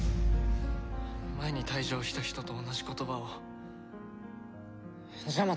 前に退場した人と同じ言葉をジャマトが。